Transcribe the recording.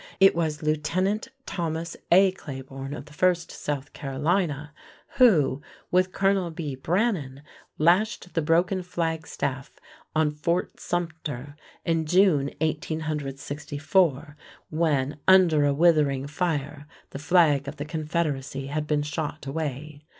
It was Lieutenant Thomas A. Claiborne of the 1st South Carolina who, with Corporal B. Brannan, lashed the broken flagstaff on Fort Sumter in June, 1864, when, under a withering fire, the flag of the Confederacy had been shot away.